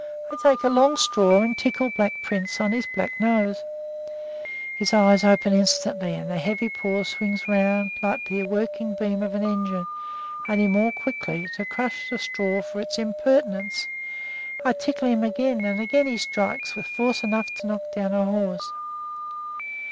I take a long straw, and tickle Black Prince on his black nose. His eyes open instantly, and the heavy paw swings round like the working beam of an engine, only more quickly, to crush the straw for its impertinence. I tickle him again, and again he strikes, with force enough to knock down a horse.